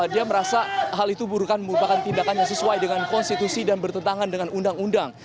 dia merasa hal itu burukan merupakan tindakan yang sesuai dengan konstitusi dan bertentangan dengan undang undang